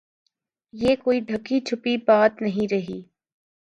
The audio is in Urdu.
یہ کوئی ڈھکی چھپی بات نہیں رہی۔